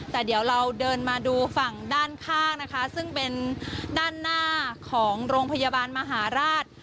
แต่เดี๋ยวเราเดินมาดูฝั่งด้านข้างนะคะซึ่งเป็นด้านหน้าของโรงพยาบาลมหาราช